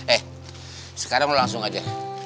eh sekarang mau langsung aja